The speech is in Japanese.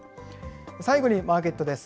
最後にマーケットです。